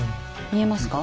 見えますか？